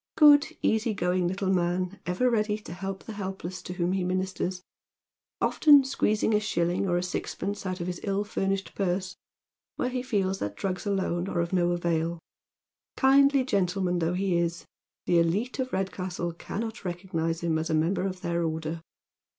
Good, easy going little man, ever ready to help the helpless to whom lie ministers, oftcf} Drifting into Haven. 45 squeezing a shilling or a sixpence out of his ill furnished purse where he feels that drugs alone are of no avail. Kindly gentle man though he is, the Hite of Redcastle cannot recognise him as a member of their order.